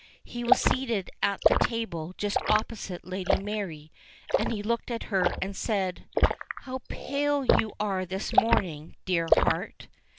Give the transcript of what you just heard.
He was seated at the table just opposite Lady Mary, and he looked at her and said : "How pale you are this morning, dear heart."